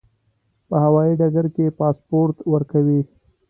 په هوایي ډګر کې پاسپورت ورکوي.